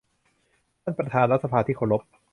ท่านประธานรัฐสภาที่เคารพ